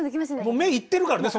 もう目イッてるからね。